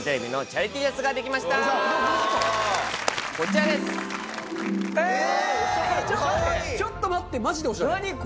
・ちょっと待って。